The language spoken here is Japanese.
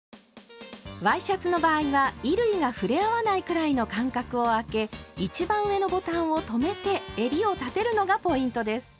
ワイシャツの場合は衣類が触れ合わないくらいの間隔をあけ一番上のボタンを留めて襟を立てるのがポイントです。